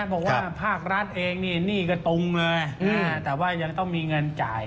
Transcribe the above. บอกว่าภาครัฐเองนี่หนี้ก็ตุงเลยแต่ว่ายังต้องมีเงินจ่าย